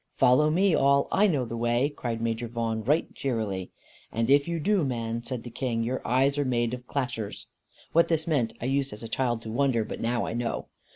"Follow me all; I know the way!" cried Major Vaughan, right cheerily. "And if you do, man," said the King, "your eyes are made of dashers." [What this meant, I used as a child to wonder; but now I know.